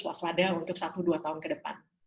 waspada untuk satu dua tahun ke depan